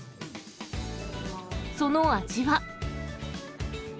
その味は。